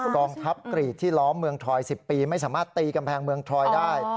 กองทัพกรีดที่ล้อมเมืองทอย๑๐ปีไม่สามารถตีกำแพงเมืองทอยได้